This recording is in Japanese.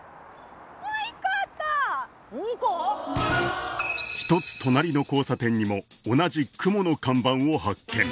もう一個あった１つ隣の交差点にも同じ雲の看板を発見